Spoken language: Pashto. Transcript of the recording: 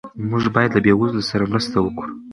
موږ باید له بې وزلو سره مرسته وکړو.